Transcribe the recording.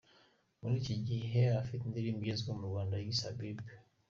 Muri iki gihe afite indirimbo igezweho mu Rwanda yise ‘Habibi’.